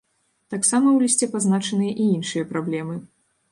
Таксама ў лісце пазначаныя і іншыя праблемы.